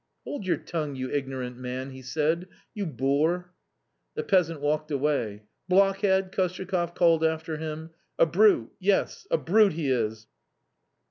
" Hold your tongue, you ignorant man !" he said, " you boor !" The peasant walked away. " Blockhead !" Kostyakoff called after him ; "a brute, yes, a brute he is.